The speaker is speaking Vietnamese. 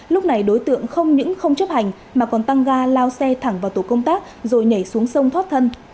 lúc này đối tượng không những không chấp hành mà còn tăng ga lao xe thẳng vào tổ công tác rồi nhảy xuống sông thoát thân